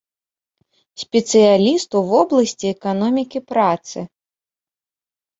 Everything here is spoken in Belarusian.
Спецыяліст у вобласці эканомікі працы.